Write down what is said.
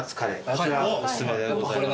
こちらおすすめでございます。